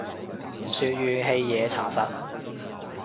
唔算怨氣嘢查實